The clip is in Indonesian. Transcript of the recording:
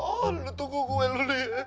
ah lu tunggu gue lu udah ya